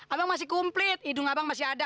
abang masih komplit hidung abang masih ada